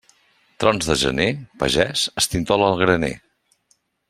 Trons de gener, pagès, estintola el graner.